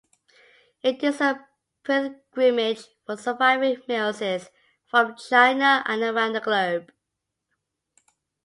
It is a pilgrimage for surviving Maoists from China and around the globe.